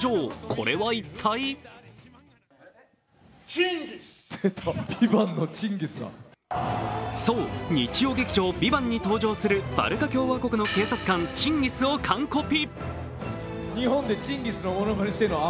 これは一体そう、日曜劇場「ＶＩＶＡＮＴ」に登場するバルカ共和国の警察官、チンギスを完コピ。